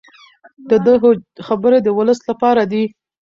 د ده خبرې د ولس لپاره دي.